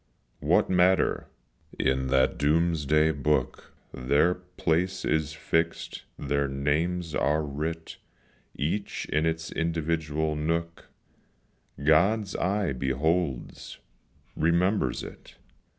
What matter, in that doom's day book Their place is fixed their names are writ, Each in its individual nook, God's eye beholds remembers it.